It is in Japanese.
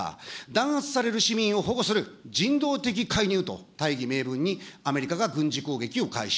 弾圧される市民を保護する人道的介入と、大義名分に、アメリカが軍事攻撃を開始。